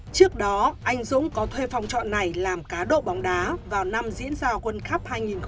trước đó anh dũng có thuê phòng trọ này làm cá độ bóng đá vào năm diễn ra quân khắp hai nghìn